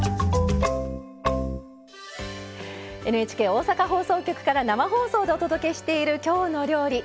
ＮＨＫ大阪放送局から生放送でお届けしている「きょうの料理」。